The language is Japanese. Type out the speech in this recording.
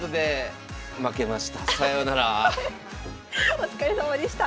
お疲れさまでした。